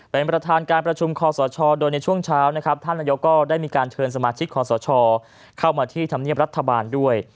เป็นประธานการประชุมคอสชโดยในช่วงเช้านะครับท่านนายกก็ได้มีการเชิญสมาชิกคอสชเข้ามาที่ธรรมเนียบรัฐบาลด้วย